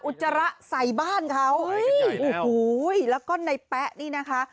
อุจจาระใส่บ้านเขาโอ้โหแล้วก็ในแป๊ะนี้นะคะ